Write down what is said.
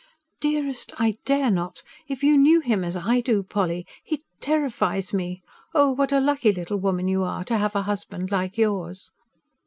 "Dearest, I dare not. If you knew him as I do, Polly.... He TERRIFIES me. Oh, what a lucky little woman you are ... to have a husband like yours."